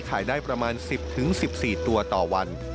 ขายได้ประมาณ๑๐๑๔ตัวต่อวัน